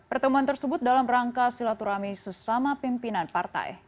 pertemuan tersebut dalam rangka silaturahmi sesama pimpinan partai